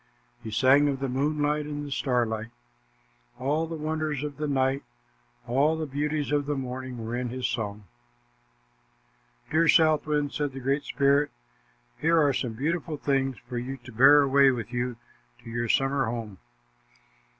He sang of the moonlight and the starlight. All the wonders of the night, all the beauty of the morning, were in his song. "Dear southwind," said the Great Spirit "here are some beautiful things for you to bear away with, you to your summer home.